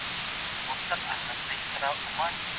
ما درکړي تا ته سترګي چي مي ووینې پخپله